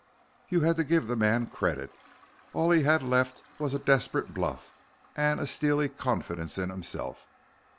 You had to give the man credit. All he had left was a desperate bluff and a steely confidence in himself.